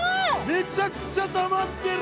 めちゃくちゃたまってる！